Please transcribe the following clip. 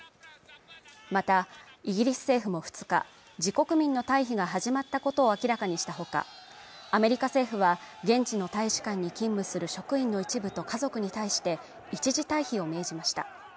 またイギリス政府も２日、自国民の退避が始まったことを明らかにしたほかアメリカ政府は現地の大使館に勤務する職員の一部と家族に対して一時退避を命じました